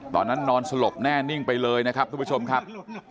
นอนสลบแน่นิ่งไปเลยนะครับทุกผู้ชมครับ